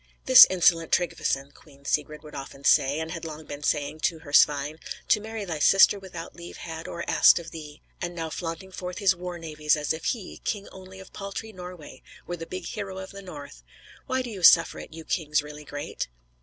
"This insolent Tryggveson," Queen Sigrid would often say, and had long been saying, to her Svein, "to marry thy sister without leave had or asked of thee; and now flaunting forth his war navies, as if he, king only of paltry Norway, were the big hero of the North! Why do you suffer it, you kings really great?"